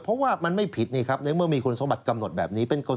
เพราะว่ามันไม่ผิดนี่ครับในเมื่อมีคุณสมบัติกำหนดแบบนี้